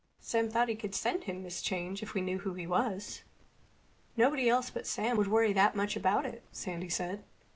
Sam thought he could send him his change if we knew who he was." "Nobody else but Sam would worry that much about it," Sandy said.